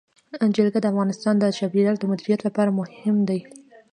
جلګه د افغانستان د چاپیریال د مدیریت لپاره مهم دي.